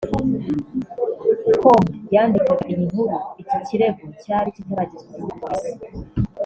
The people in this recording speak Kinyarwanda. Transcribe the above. com yandikaga iyi nkuru iki kirego cyari kitaragezwa kuri polisi